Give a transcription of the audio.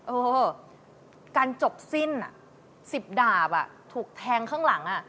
เออการจบสิ้น๑๐ดาบถูกแทงข้างหลัง